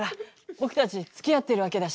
僕たちつきあってるわけだし。